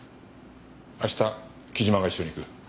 明日木島が一緒に行く。